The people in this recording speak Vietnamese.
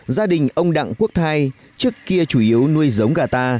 gia đình ông đặng quốc thai trước kia chủ yếu nuôi giống gà ta